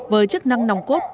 với chức năng nòng cốt